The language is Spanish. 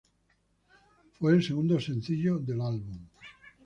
Fue el segundo sencillo del álbum.